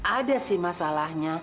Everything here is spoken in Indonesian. ada sih masalahnya